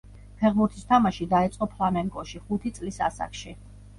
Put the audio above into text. ფეხბურთის თამაში დაიწყო „ფლამენგოში“ ხუთი წლის ასაკში.